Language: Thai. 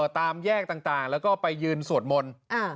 ตามแยกต่างแล้วก็ไปยืนสวดมนต์